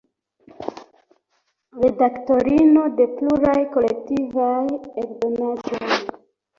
Redaktorino de pluraj kolektivaj eldonaĵoj.